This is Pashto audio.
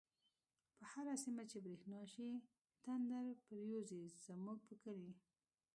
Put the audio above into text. په هر سيمه چی بريښنا شی، تندر پر يوزی زموږ په کلی